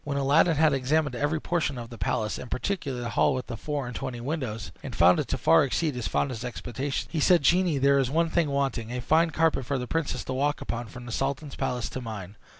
When Aladdin had examined every portion of the palace, and particularly the hall with the four and twenty windows, and found it to far exceed his fondest expectations, he said, "Genie, there is one thing wanting a fine carpet for the princess to walk upon from the sultan's palace to mine.